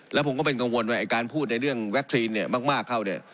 แล้วผมก็เป็นกังวลว่าไอ้การพูดในเรื่องแคคครีนเนี่ยมากเข้าเนี่ย